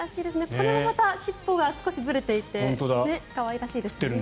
これもまた尻尾が少しぶれていて可愛らしいです。